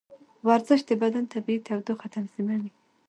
ورزش د بدن طبیعي تودوخه تنظیموي.